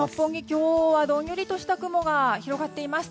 今日はどんよりとした雲が広がっています。